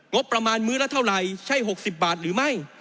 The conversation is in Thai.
งบประมาณมื้อละเท่าไหร่ใช่๖๐บาทหรือไม่